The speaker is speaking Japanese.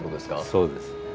そうです。